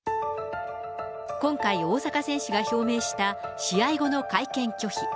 今回、大坂選手が表明した試合後の会見拒否。